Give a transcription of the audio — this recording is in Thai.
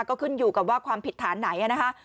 ก็ขึ้นอยู่กับว่าความผิดฐานไหนนะคะ